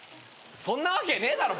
そんなわけねえだろ。